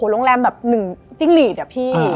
โรงแรมแบบ๑จิ้งหลีดอะพี่